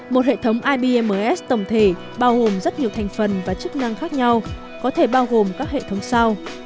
một hệ thống ibms tổng thể bao gồm rất nhiều thành phần và chức năng khác nhau có thể bao gồm các hệ thống sau